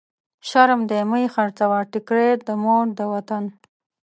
شرم دی مه يې خرڅوی، ټکری د مور دی وطن.